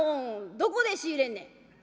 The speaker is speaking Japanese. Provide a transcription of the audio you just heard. どこで仕入れんねん」。